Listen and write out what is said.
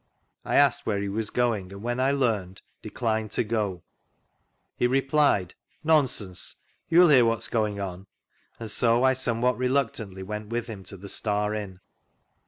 I asked where he was going, and when I learned, declined to go. He refdied :" Nonsense, you will hear what is going on," and so I somewhat reluctantly went with him to the Star Inn.